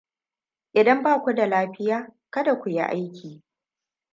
Idan ba ku da lafiya, kada ku yi aiki